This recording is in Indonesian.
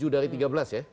tujuh dari tiga belas ya